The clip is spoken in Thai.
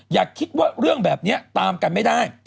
อย่าคิดว่าเรื่องแบบนี้ตามกันไม่ได้